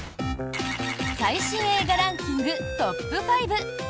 最新映画ランキングトップ５。